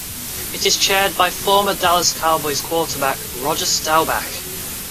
It is chaired by former Dallas Cowboys quarterback Roger Staubach.